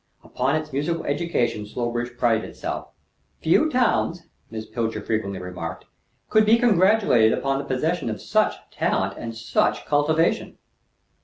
Upon its musical education Slowbridge prided itself. "Few towns," Miss Pilcher frequently remarked, "could be congratulated upon the possession of such talent and such cultivation."